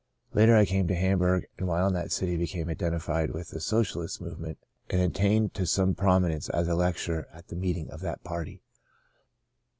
Later I came to Hamburg, and while in that city became identified with the Socialist movement and attained to some prominence as a lecturer at the meetings of that party.